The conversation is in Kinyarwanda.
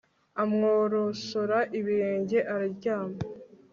amworosora ibirenge, araryama